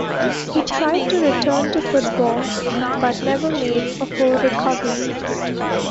He tried to return to football, but never made a full recovery.